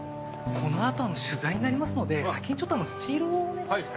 この後取材になりますので先にスチールをお願いします。